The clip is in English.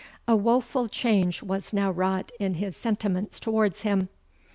A woful change was now wrought in his sentiments towards him.